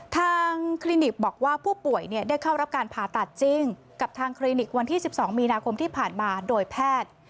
คลินิกบอกว่าผู้ป่วยได้เข้ารับการผ่าตัดจริงกับทางคลินิกวันที่๑๒มีนาคมที่ผ่านมาโดยแพทย์